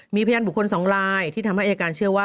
มีพยานบุคคล๒ลายที่ทำให้อายการเชื่อว่า